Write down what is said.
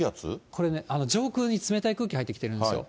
これね、上空に冷たい空気入ってきてるんですよ。